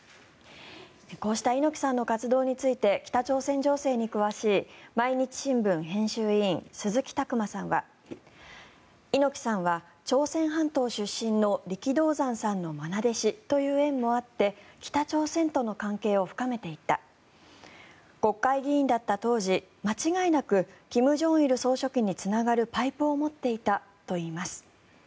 こうした猪木さんの活動について北朝鮮情勢に詳しい毎日新聞編集委員鈴木琢磨さんは猪木さんは朝鮮半島出身の力道山さんのまな弟子という縁もあって北朝鮮との関係を深めていった国会議員だった当時間違いなく金正日総書記につながるパイプを持っていたといいます。